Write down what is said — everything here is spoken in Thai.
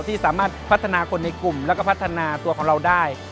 ที่สามารถพัฒนาคนในกลุ่มแล้วก็พัฒนาตัวของเราได้